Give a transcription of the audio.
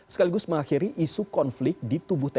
sekaligus mengakhiri isu konflik ditubuhkan